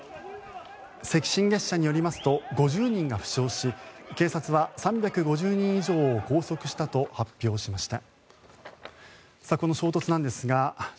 赤新月社によりますと５０人が負傷し警察は３５０人以上を拘束したと発表しました。